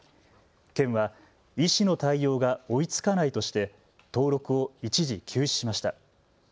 県は医師の対応が追いつかないとして登録を一時、休止しました。